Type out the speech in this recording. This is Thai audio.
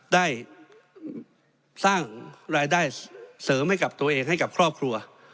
ได้สร้างรายได้เสริมให้กับตัวเองให้กับครอบครัว